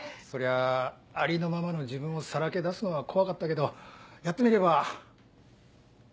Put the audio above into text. そりゃあありのままの自分をさらけ出すのは怖かったけどやってみれば。